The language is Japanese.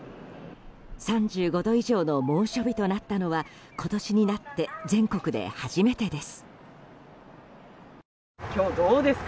３５度以上の猛暑日となったのは今年になって全国で初めてです。